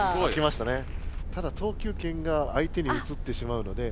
ただ投球けんが相手にうつってしまうので。